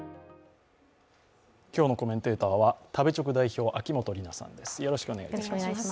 今日のコメンテーターは食べチョク代表・秋元里奈さんです